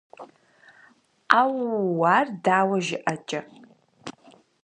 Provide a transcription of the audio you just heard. - Ӏэууу! Ар дауэ жыӀэкӀэ?